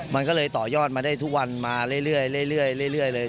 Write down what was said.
มันก็เลยต่อยอดมาได้ทุกวันมาเรื่อยเลย